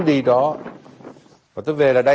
brom bương v marry may may